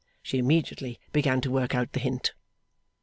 She immediately began to work out the hint.